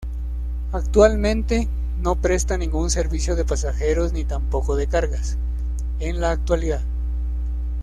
Actualmente, no presta ningún servicio de pasajeros ni tampoco de cargas, en la actualidad.